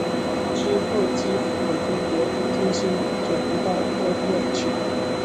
之后基辅的中心转移到波迪尔区。